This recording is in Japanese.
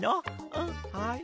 うんはい。